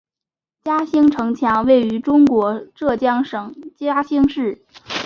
嘉兴城墙位于中国浙江省嘉兴市。